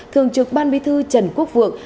thường trực ban bí thư trần quốc vượng